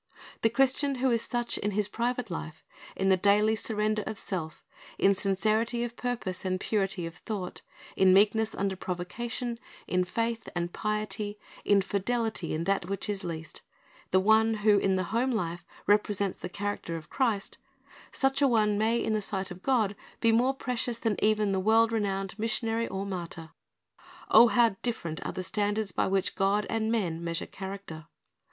The Christian who is such in his private life, in the daily surrender of self, in sincerity of purpose and purity of thought, in meekness under provocation, in faith and piety, in fidelity in that which is least, the one who in the home life represents the character of Christ, — such a one may in the sight of God be more precious than even the world renowned missionary or martyr. O, how different are the standards by which God and men measure character.